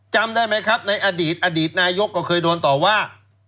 จำได้ไหมครับในอดีตอดีตนายกก็เคยโดนต่อว่า